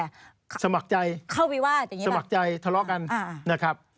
สมัครใจสมัครใจทะเลาะกันนะครับสมัครใจเข้าวิวาดอย่างนี้แหละ